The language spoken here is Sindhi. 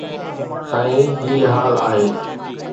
سائين، هي حال آهي